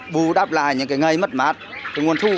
vụ đáp lại những cái ngày mất mát cái nguồn thu